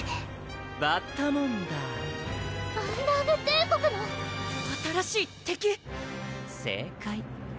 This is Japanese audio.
バッタモンダーアンダーグ帝国の新しい敵⁉正解！